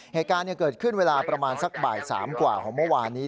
เหตุการณ์เกิดขึ้นเวลาประมาณสักบ่าย๓กว่าของเมื่อวานนี้